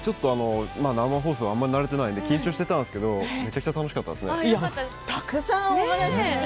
生放送、慣れていないので緊張していたんですけどめちゃくちゃ楽しかったです。